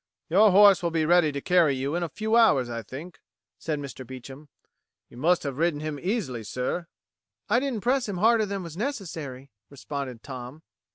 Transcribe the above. "Your horse will be ready to carry you in a few hours, I think," said Mr. Beecham. "You must have ridden him easily, sir." "I didn't press him harder than was necessary," responded Tom.